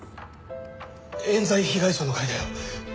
冤罪被害者の会だよ。